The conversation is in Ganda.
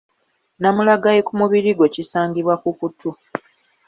Namulagayi ku mubiri gwo kisangibwa ku kutu.